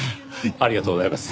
ありがとうございます。